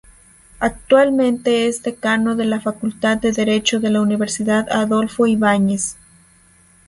Actualmente es Decano de la Facultad de Derecho de la Universidad Adolfo Ibáñez.